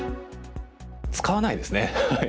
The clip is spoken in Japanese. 使わないですね。